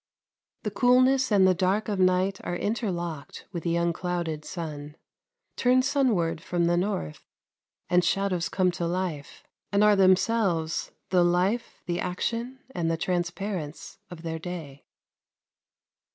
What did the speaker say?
The coolness and the dark of night are interlocked with the unclouded sun. Turn sunward from the north, and shadows come to life, and are themselves the life, the action, and the transparence of their day.